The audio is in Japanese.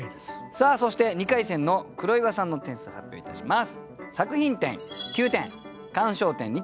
さあそして２回戦の黒岩さんの点数発表いたします。